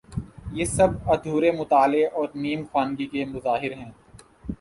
یہ سب ادھورے مطالعے اور نیم خوانگی کے مظاہر ہیں۔